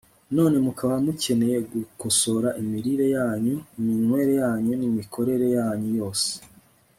none mukaba mukeneye gukosora imirire yanyu, iminywere yanyu, n'imikorere yanyu yose